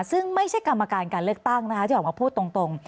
ซึ่งไม่ใช่กรรมการการเลือกตั้งนะคะที่ออกมาพูดตรง